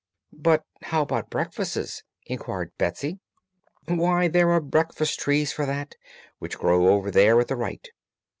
"But how about breakfasts?" inquired Betsy. "Why, there are Breakfast Trees for that, which grow over there at the right.